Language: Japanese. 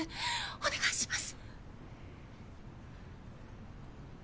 お願いします！